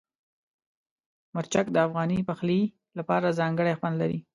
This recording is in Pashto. مرچک د افغاني پخلي لپاره ځانګړی خوند لري.